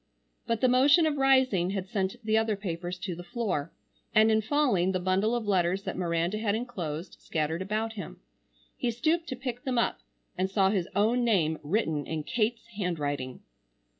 But the motion of rising had sent the other papers to the floor, and in falling the bundle of letters that Miranda had enclosed, scattered about him. He stooped to pick them up and saw his own name written in Kate's handwriting.